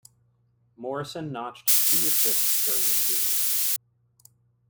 Morrison notched two assists during the series.